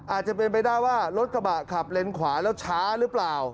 อาจจะเป็นไปได้ว่ารถกระบะขับเลนขวาแล้วช้าหรือเปล่า